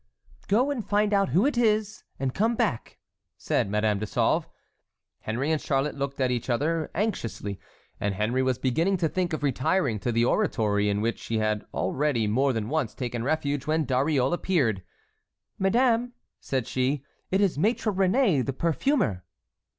"Go and find out who it is, and come back," said Madame de Sauve. Henry and Charlotte looked at each other anxiously, and Henry was beginning to think of retiring to the oratory, in which he had already more than once taken refuge, when Dariole reappeared. "Madame," said she, "it is Maître Réné, the perfumer."